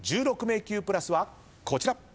１６迷宮プラスはこちら。